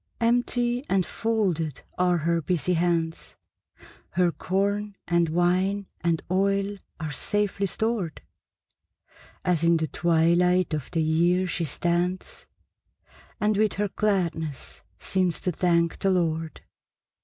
Empty and folded are her busy hands; Her corn and wine and oil are safely stored, As in the twilight of the year she stands, And with her gladness seems to thank the Lord.